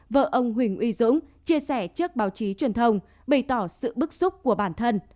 vợ ông huỳnh uy dũng chia sẻ trước báo chí truyền thông bày tỏ sự bức xúc của bản thân